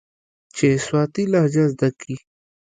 چې سواتي لهجه زده کي.